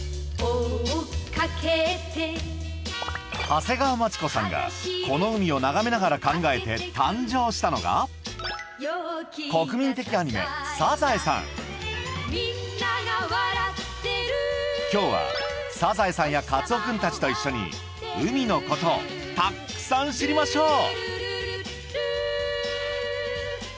長谷川町子さんがこの海を眺めながら考えて誕生したのが国民的アニメ「サザエさん」今日はサザエさんやカツオくんたちと一緒に海のことをたっくさん知りましょう！